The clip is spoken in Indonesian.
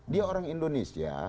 dia orang indonesia